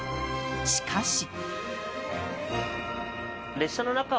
しかし。